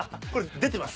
出てます。